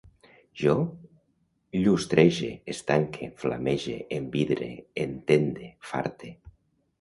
Jo llustrege, estanque, flamege, envidre, entende, farte